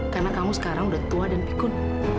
karena kamu sekarang udah tua dan pikun